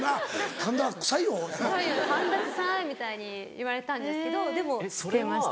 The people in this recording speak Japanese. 「神田臭い」みたいに言われたんですけどでもしてました。